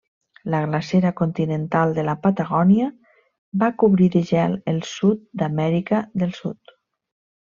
La glacera continental de la Patagònia va cobrir de gel el sud d'Amèrica del Sud.